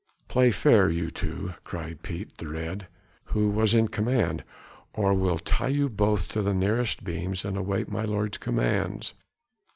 "Play fair, you two!" cried Piet the Red, who was in command, "or we'll tie you both to the nearest beams and await my lord's commands."